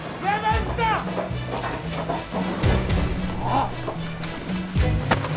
あっ！